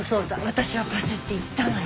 私はパスって言ったのに。